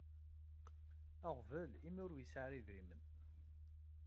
Aɣbel imi ur yesɛi ara idrimen.